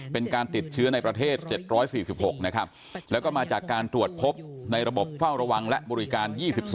เป็นการติดเชื้อในประเทศ๗๔๖นะครับแล้วก็มาจากการตรวจพบในระบบเฝ้าระวังและบริการ๒๒